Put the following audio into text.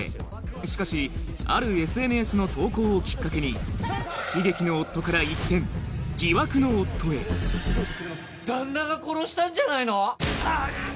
しかしあるＳＮＳの投稿をきっかけに悲劇の夫から一転疑惑の夫へ旦那が殺したんじゃないの⁉あっ！